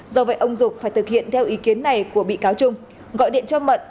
do vậy ông dục phải thực hiện theo ý kiến này của bị cáo trung gọi điện cho mận